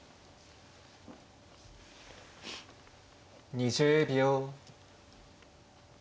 ２０秒。